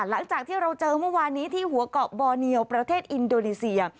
หลังจากที่เราเจอเมื่อวานนี้ที่หัวเกาะบอเนียวประเทศอินโดนีเซีย